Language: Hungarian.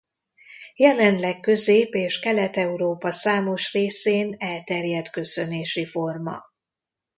Jelenleg Közép- és Kelet-Európa számos részén elterjedt köszönési forma.